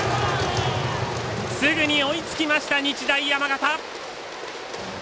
すぐに追いつきました、日大山形。